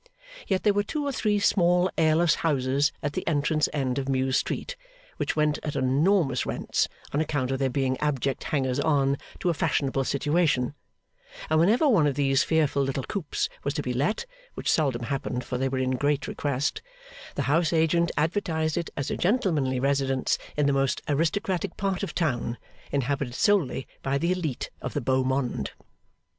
Yet there were two or three small airless houses at the entrance end of Mews Street, which went at enormous rents on account of their being abject hangers on to a fashionable situation; and whenever one of these fearful little coops was to be let (which seldom happened, for they were in great request), the house agent advertised it as a gentlemanly residence in the most aristocratic part of town, inhabited solely by the elite of the beau monde.